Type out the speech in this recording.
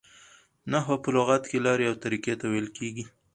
نحوه په لغت کښي لاري او طریقې ته ویل کیږي.